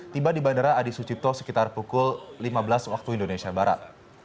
tiba di bandara adi sucipto sekitar pukul lima belas waktu indonesia barat